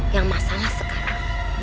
yang masalah sekarang